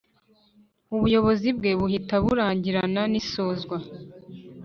Ubuyobozi bwe buhita burangirana n isozwa